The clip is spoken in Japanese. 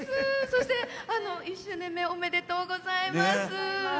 そして、１周年おめでとうございます。